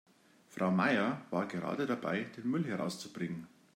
Frau Meier war gerade dabei, den Müll herauszubringen.